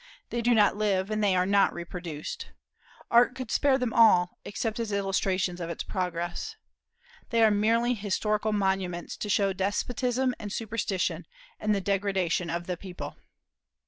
They do not live, and they are not reproduced. Art could spare them all, except as illustrations of its progress. They are merely historical monuments, to show despotism and superstition, and the degradation of the people.